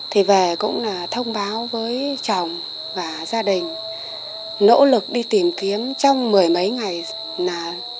thì về cũng là thông báo với chồng và gia đình nỗ lực đi tìm kiếm trong mười mấy ngày